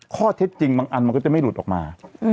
ข้อเท็จจริงบางอันมันก็จะไม่หลุดออกมา